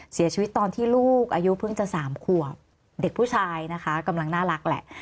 เสียชีวิตตอนที่ลูกอายุเพิ่งจะ๓ขวบเด็กผู้ชายนะคะกำลังน่ารักแหละ